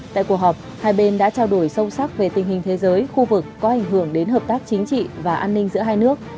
tại cuộc họp hai bên đã trao đổi sâu sắc về tình hình thế giới khu vực có ảnh hưởng đến hợp tác chính trị và an ninh giữa hai nước